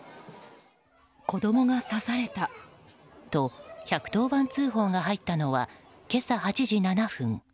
子供が刺されたと１１０番通報が入ったのは今朝８時７分。